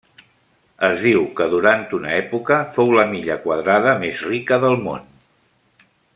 Es diu que durant una època fou la milla quadrada més rica del món.